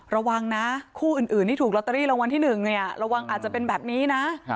ระวังนะคู่อื่นที่ถูกลอตเตอรี่รางวัลที่๑ระวังอาจจะเป็นแบบนี้นะ